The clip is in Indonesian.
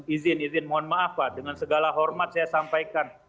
izin izin mohon maaf pak dengan segala hormat saya sampaikan